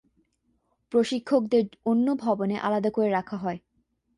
প্রশিক্ষকদের অন্য ভবনে আলাদা করে রাখা হয়।